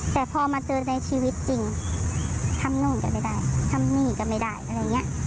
แต่พอมาเจอในชีวิตจริงทำนู่นก็ไม่ได้ทำนี่ก็ไม่ได้